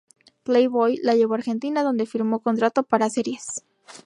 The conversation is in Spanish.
Playboy la llevó a Argentina, donde firmó contrato para series.